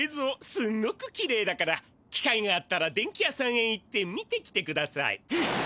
すごくきれいだからき会があったら電気屋さんへ行って見てきてください。